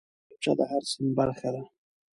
کتابچه د هر صنف برخه ده